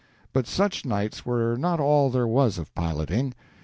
But such nights were not all there was of piloting.